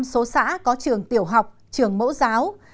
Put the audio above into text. chín mươi chín bảy số xã có trường tiểu học trường mẫu giáo